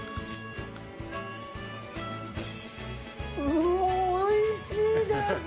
うわ、おいしいです！